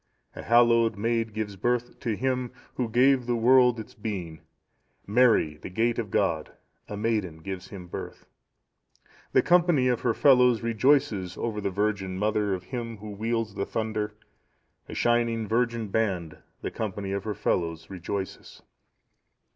"A hallowed maid gives birth to Him Who gave the world its being; Mary, the gate of God, a maiden gives Him birth. "The company of her fellows rejoices over the Virgin Mother of Him Who wields the thunder; a shining virgin band, the company of her fellows rejoices.